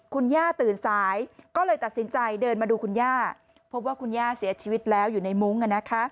คุณย่าตื่นสายก็เลยตัดสินใจเดินมาดูคุณย่าพบว่าคุณย่าเสียชีวิตแล้วอยู่ในมุ้ง